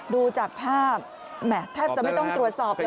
ดูจากภาพแหมแทบจะไม่ต้องตรวจสอบเลย